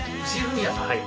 はい。